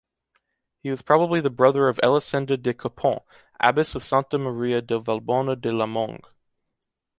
He was probably the brother of Elisenda de Copons, abbess of Santa Maria de Vallbona de les Monges.